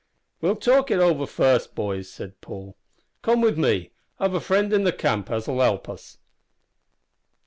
"We'll talk it over first, boys," said Paul. "Come with me. I've a friend in the camp as'll help us."